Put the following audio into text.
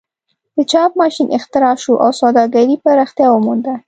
د چاپ ماشین اختراع شو او سوداګري پراختیا ومونده.